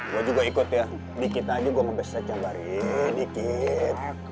gue juga ikut ya dikit aja gue ngebeset cabarin dikit